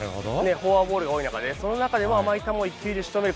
フォアボールが多い中で、その中でも、甘い球を一球でしとめる